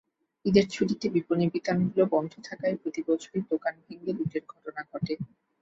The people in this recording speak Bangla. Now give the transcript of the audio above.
ঈদের ছুটিতে বিপণিবিতানগুলো বন্ধ থাকায় প্রতিবছরই দোকান ভেঙে লুটের ঘটনা ঘটে।